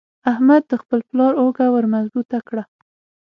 احمد د خپل پلار اوږه ور مضبوطه کړه.